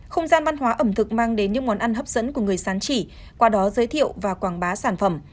không gian văn hóa ẩm thực mang đến những món ăn hấp dẫn của người sán chỉ qua đó giới thiệu và quảng bá sản phẩm